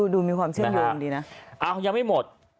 ดูมีความเชื่อมโยงดีนะยังไม่หมด